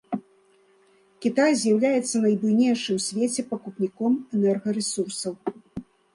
Кітай з'яўляецца найбуйнейшым у свеце пакупніком энергарэсурсаў.